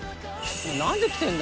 「何で来てんだよ？」